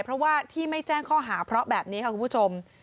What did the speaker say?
เพราะว่าที่ไม่แจ้งข้อหาเพราะแบบนี้ค่ะคุณผู้ชม